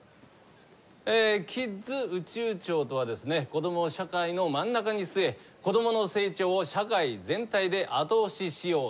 子どもを社会の真ん中に据え子どもの成長を社会全体で後押ししよう。